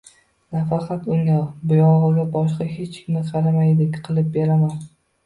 Nafaqat unga, buyog`iga boshqa hech kimga qaramaydigan qilib beraman